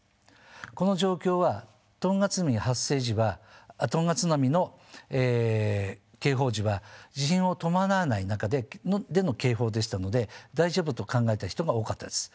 この状況はトンガ津波の警報時は地震を伴わない中での警報でしたので大丈夫と考えた人が多かったです。